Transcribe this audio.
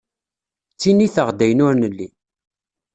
Ttiniteɣ-d ayen ur nelli.